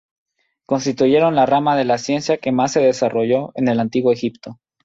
Constituyeron la rama de la ciencia que más se desarrolló en el Antiguo Egipto.